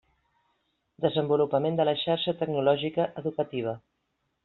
Desenvolupament de la Xarxa Tecnològica Educativa.